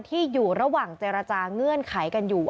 ที่อยู่ระหว่างเจรจาเงื่อนไขกันอยู่